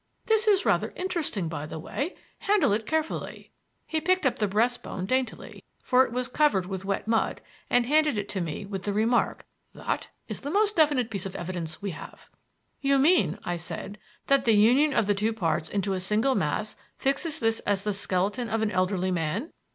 This is rather interesting, by the way. Handle it carefully." He picked up the breast bone daintily for it was covered with wet mud and handed it to me with the remark: "That is the most definite piece of evidence we have." "You mean," I said, "that the union of the two parts into a single mass fixes this as the skeleton of an elderly man?"